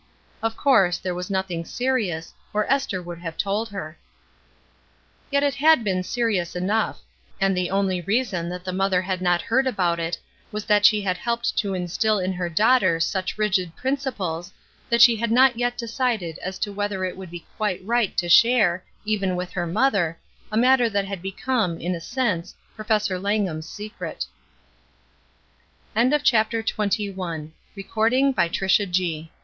Of course, there was nothing serious, or Esther would have told her. Yet it had been serious enough; and the only reason that the mother had not heard about it was that she had helped to instil in her daughter such rigid principles that she had not yet de cided as to whether it would be quite right to share, even with her mother, a matter that had become, in